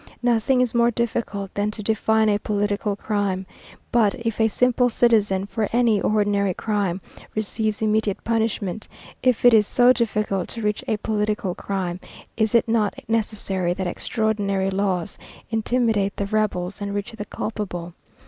"Nothing is more difficult than to define a political crime. But, if a simple citizen, for any ordinary crime, receives immediate punishment, if it is so difficult to reach a political crime, is it not necessary that extraordinary laws ... intimidate the rebels and reach the culpable?